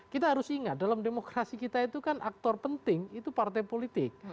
kita harus ingat dalam demokrasi kita itu kan aktor penting itu partai politik